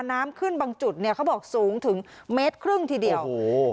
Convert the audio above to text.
น้ำขึ้นบางจุดเนี่ยเขาบอกสูงถึงเมตรครึ่งทีเดียวโอ้โห